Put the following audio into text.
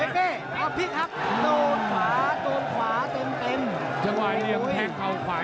เดินแรงขึ้นมาแล้วได้ด้วยซ้าย